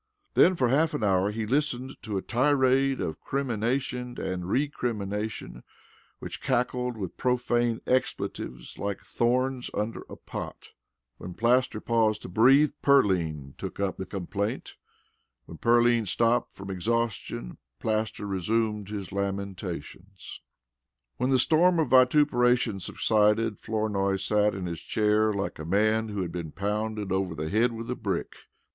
Then for half an hour he listened to a tirade of crimination and recrimination which crackled with profane expletives like thorns under a pot. When Plaster paused to breathe, Pearline took up the complaint. When Pearline stopped from exhaustion, Plaster resumed his lamentations. When the storm of vituperation subsided, Flournoy sat in his chair like a man who had been pounded over the head with a brick.